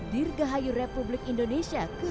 dirgahayu republik indonesia ke tujuh puluh